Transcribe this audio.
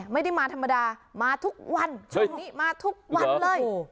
ไม่ได้มาธรรมดามาทุกวันช่วงนี้มาทุกวันเลย